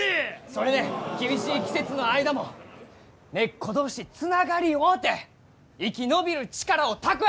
それで厳しい季節の間も根っこ同士つながり合うて生き延びる力を蓄える！